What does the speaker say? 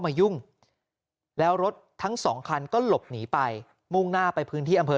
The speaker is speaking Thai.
ยุ่งแล้วรถทั้งสองคันก็หลบหนีไปมุ่งหน้าไปพื้นที่อำเภอ